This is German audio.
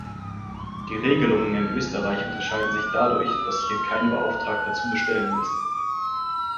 Die Regelungen in Österreich unterscheiden sich dadurch, dass hier kein Beauftragter zu bestellen ist.